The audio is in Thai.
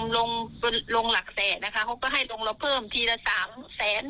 ลงลงหลักแสนนะคะเขาก็ให้ลงเราเพิ่มทีละสามแสน